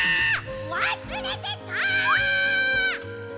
わすれてた！